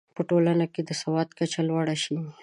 په ټولنه کې د سواد کچه لوړه شي.